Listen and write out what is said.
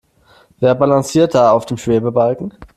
Wer balanciert da auf dem Schwebebalken?